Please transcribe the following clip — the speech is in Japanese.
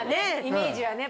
イメージはね